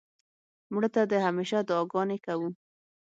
مړه ته د همېشه دعا ګانې کوو